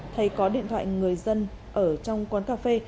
thấy có điện thoại người dân ở trong quán cà phê